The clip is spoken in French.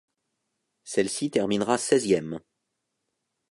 Celle-ci terminera seizième.